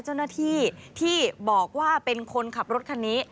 เจ้าหน้าที่ที่บอกว่าเป็นคนขับรถคันนี้